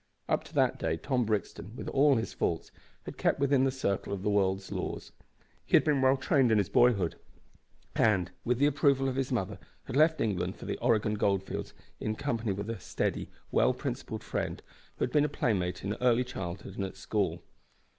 Up to that day Tom Brixton, with all his faults, had kept within the circle of the world's laws. He had been well trained in boyhood, and, with the approval of his mother, had left England for the Oregon goldfields in company with a steady, well principled friend, who had been a playmate in early childhood and at school.